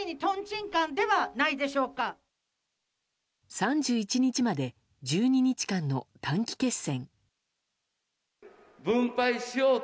３１日まで１２日間の短期決戦。